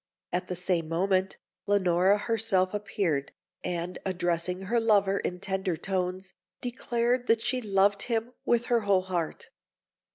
At the same moment, Leonora herself appeared, and, addressing her lover in tender tones, declared that she loved him with her whole heart.